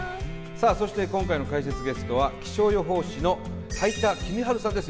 さあそして今回の解説ゲストは気象予報士の斉田季実治さんです